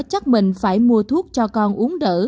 chắc mình phải mua thuốc cho con uống đỡ